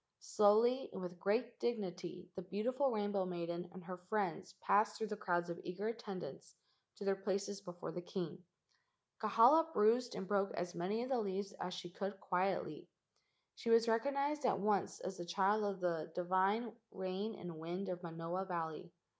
Slowly and with great dignity the beautiful rainbow maiden and her friends passed through the crowds of eager attendants to their places before the king. Kahala bruised and broke as many of the leaves as she could quietly. She was recognized at once as the child of the divine rain and wind of Manoa Valley.